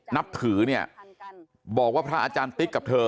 นับถือเนี่ยบอกว่าพระอาจารย์ติ๊กกับเธอ